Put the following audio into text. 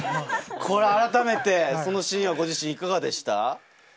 改めて、そのシーン、ご自身いかがでしたか？